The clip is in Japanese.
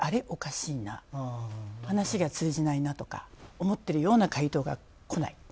おかしいなと話が通じないなと思ってるような回答がこない。